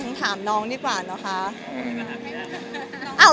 ของน้องหรอคะ